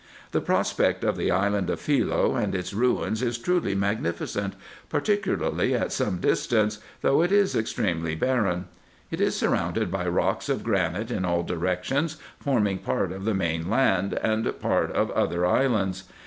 The prospect of the island of Philoe and its ruins is truly mag nificent, particularly at some distance, though it is extremely barren. It is surrounded by rocks of granite in all directions, forming part of the main land, and part of other islands.